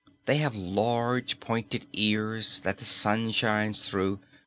They have large pointed ears that the Sun shines through.